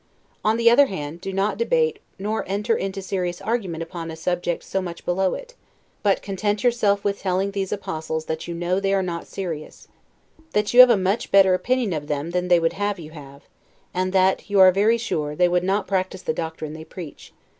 On the other hand, do not debate nor enter into serious argument upon a subject so much below it: but content yourself with telling these APOSTLES that you know they are not, serious; that you have a much better opinion of them than they would have you have; and that, you are very sure, they would not practice the doctrine they preach.